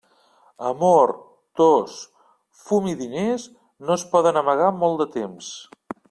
Amor, tos, fum i diners, no es poden amagar molt de temps.